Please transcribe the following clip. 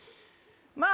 まあ